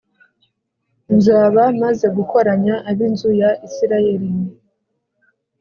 nzaba maze gukoranya ab’inzu ya Isirayeli